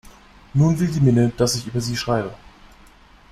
Nun will die Minne, dass ich über sie schreibe.